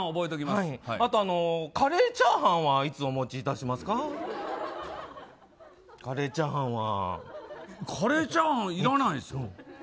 あと、カレーチャーハンはいつお持ちいたしますか？カレーチャーハンいらないです。